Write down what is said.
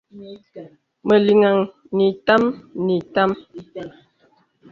Mə liŋhəŋ itām ni itām.